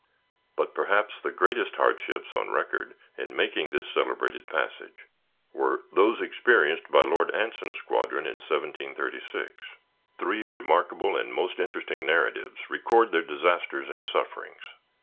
But perhaps the greatest hardships on record, in making this celebrated passage, were those experienced by Lord Anson's squadron in 1736. Three remarkable and most interesting narratives record their disasters and sufferings.